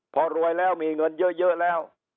พอรวยแล้วมีเงินเยอะแล้ว